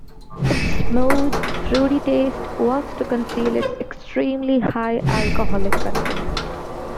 Its smooth, fruity taste works to conceal its extremely high alcoholic content.